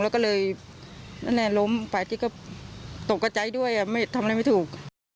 แล้วก็เลยแน่ล้มไปที่ก็ตกกระใจด้วยทำอะไรไม่ถูก